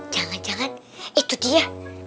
jangan jangan itu dia